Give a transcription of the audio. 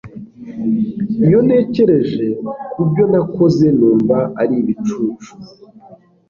Iyo ntekereje ku byo nakoze numva ari ibicucu